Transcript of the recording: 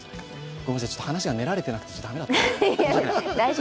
ごめんなさい、話が練られてなくて駄目だった。